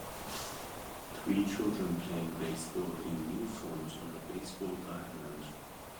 Three children playing baseball in uniforms on a baseball diamond.